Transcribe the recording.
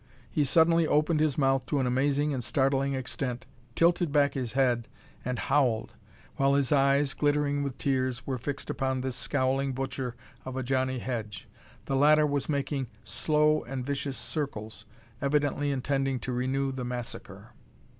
He suddenly opened his mouth to an amazing and startling extent, tilted back his head, and howled, while his eyes, glittering with tears, were fixed upon this scowling butcher of a Johnnie Hedge. The latter was making slow and vicious circles, evidently intending to renew the massacre.